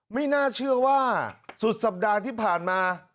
ไม่น่าเชื่อว่าสุดสัปดาห์ที่ผ่านมา